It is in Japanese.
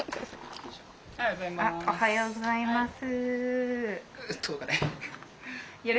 おはようございます。